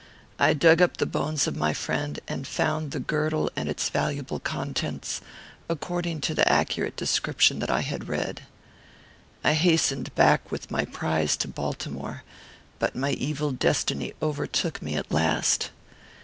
I dug up the bones of my friend, and found the girdle and its valuable contents, according to the accurate description that I had read. "I hastened back with my prize to Baltimore, but my evil destiny overtook me at last.